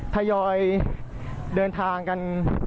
ทยอยเดินทางกัน